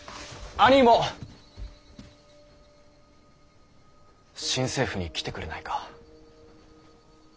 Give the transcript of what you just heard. あにぃも新政府に来てくれないか。